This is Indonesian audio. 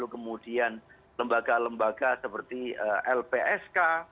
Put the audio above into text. kemudian lembaga lembaga seperti lpsk